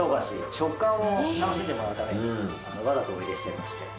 食感を楽しんでもらうためにわざとお入れしていまして。